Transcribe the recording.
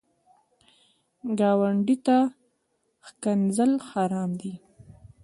ګاونډي ته ښکنځل حرام دي